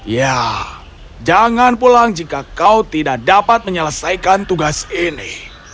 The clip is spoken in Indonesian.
ya jangan pulang jika kau tidak dapat menyelesaikan tugas ini